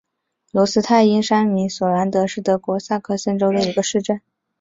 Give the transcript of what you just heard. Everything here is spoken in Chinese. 罗茨泰因山麓索兰德是德国萨克森州的一个市镇。